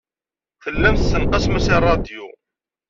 Tellam tessenqasem-as i ṛṛadyu.